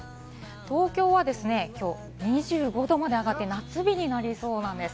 東京は今日２５度まで上がって、夏日になりそうです。